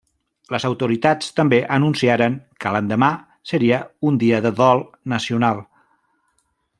Les autoritats també anunciaren que l'endemà seria un dia de dol nacional.